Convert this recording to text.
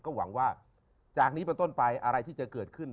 หวังว่าจากนี้เป็นต้นไปอะไรที่จะเกิดขึ้น